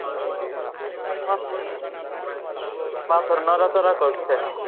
পাথর নড়াচড়া করছে।